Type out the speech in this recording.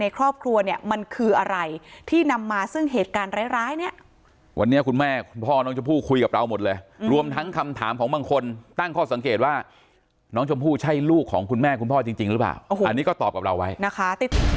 ครอบครัวเนี่ยมันคืออะไรที่นำมาซึ่งเหตุการณ์ร้ายร้ายเนี่ยวันนี้คุณแม่คุณพ่อน้องชมพู่คุยกับเราหมดเลยรวมทั้งคำถามของบางคนตั้งข้อสังเกตว่าน้องชมพู่ใช่ลูกของคุณแม่คุณพ่อจริงจริงหรือเปล่าอันนี้ก็ตอบกับเราไว้นะคะ